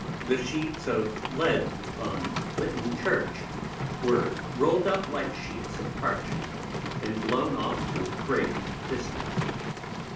The Sheets of Lead on Lytton Church, were rolled up like Sheets of Parchment, and blown off to a great Distance.